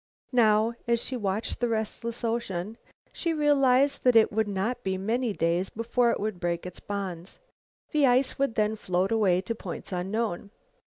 Now, as she watched the restless ocean, she realized that it would not be many days before it would break its bonds. The ice would then float away to points unknown.